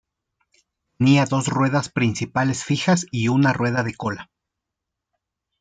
Tenía dos ruedas principales fijas y una rueda de cola.